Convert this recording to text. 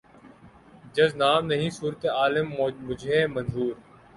جز نام نہیں صورت عالم مجھے منظور